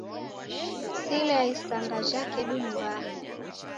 Sile ya isanga jha kedu ni mbaha